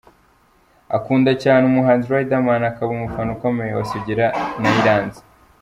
Akunda cyane umuhanzi Rideman, akaba umufana ukomeye wa Sugira na Iranzi.